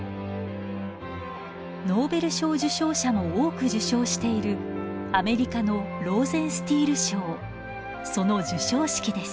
ノーベル賞受賞者も多く受賞しているアメリカのローゼンスティール賞その授賞式です。